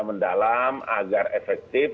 mendalam agar efektif